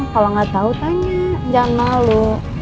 kalo gak tau tanya jangan malu